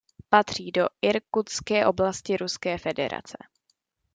Patří do Irkutské oblasti Ruské federace.